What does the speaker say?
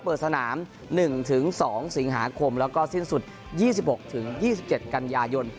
เปิดสนาม๑๒สิงหาคมแล้วก็สิ้นสุด๒๖๒๗กันยายน